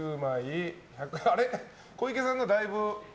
小池さんがだいぶ。